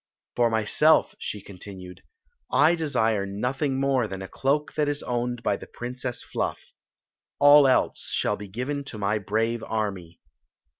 "For myself," she continued, "I desire nothing more than a cloak that is owned by the Princess Fluff. All else shall be given to my brave army."